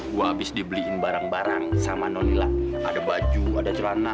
gue habis dibeliin barang barang sama nonila ada baju ada celana